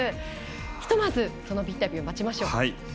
ひとまずインタビューを待ちましょう。